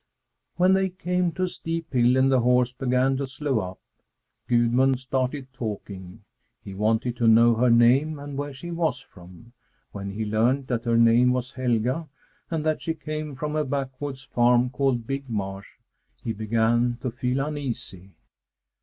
When they came to a steep hill and the horse began to slow up, Gudmund started talking. He wanted to know her name and where she was from. When he learned that her name was Helga, and that she came from a backwoods farm called Big Marsh, he began to feel uneasy.